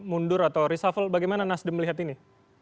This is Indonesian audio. mundur atau reshuffle bagaimana nasdem melihat ini